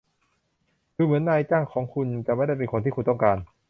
ดูเหมือนว่านายจ้างของคุณจะไม่ได้เป็นคนที่คุณต้องการ